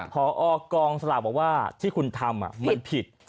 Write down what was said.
พอกองสลากบอกว่าที่คุณทำมันผิด